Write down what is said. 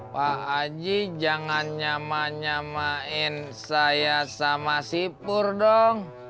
pak haji jangan nyamain nyamain saya sama sipur dong